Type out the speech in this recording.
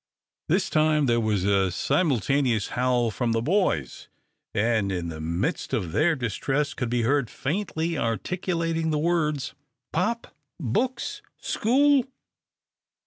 This time there was a simultaneous howl from the boys, and in the midst of their distress could be heard faintly articulated the words, "Pop books school!"